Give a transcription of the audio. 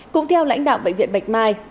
cũng theo lãnh đạo bệnh viện bạch mai